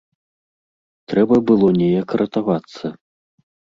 Трэба было неяк ратавацца.